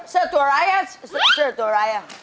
เจอตัวอะไรครับ